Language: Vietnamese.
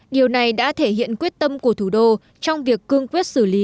điều này đã thể hiện quyết tâm của thủ đô trong việc cương quyết xử lý